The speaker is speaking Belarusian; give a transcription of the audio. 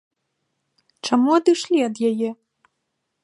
Чаму адышлі ад яе?